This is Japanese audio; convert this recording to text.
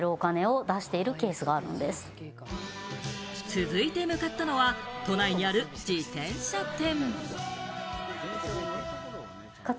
続いて向かったのは、都内にある自転車店。